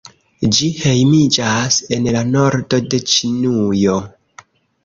Ĝi hejmiĝas en la nordo de Ĉinujo.